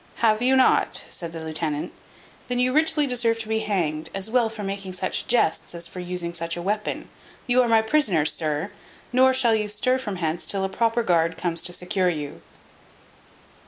"Have not you?" said the lieutenant; "then you richly deserve to be hanged, as well for making such jests, as for using such a weapon: you are my prisoner, sir; nor shall you stir from hence till a proper guard comes to secure you."